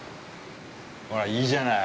ほら、いいじゃない！